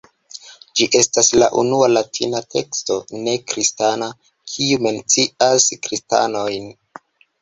Ĝi estas la unua Latina teksto ne-kristana, kiu mencias kristanojn.